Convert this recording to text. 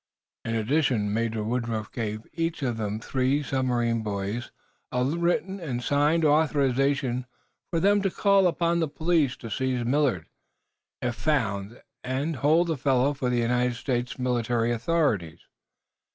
In addition, Major Woodruff gave each of the three submarine boys a written and signed authorization for them to call upon the police to seize Millard, if found, and hold the fellow for the United States military authorities.